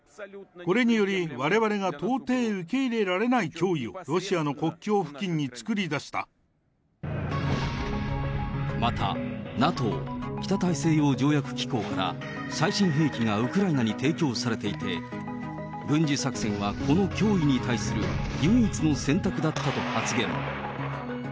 これにより、われわれが到底受け入れられない脅威をロシアの国境付近に作り出また、ＮＡＴＯ・北大西洋条約機構から、最新兵器がウクライナに提供されていて、軍事作戦はこの脅威に対する唯一の選択だったと発言。